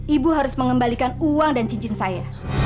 ibu harus mengembalikan uang dan cincin saya